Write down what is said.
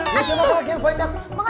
ya jangan makan lagi yang banyak